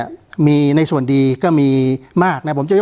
การแสดงความคิดเห็น